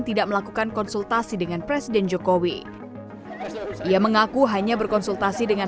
tidak melakukan konsultasi dengan presiden jokowi ia mengaku hanya berkonsultasi dengan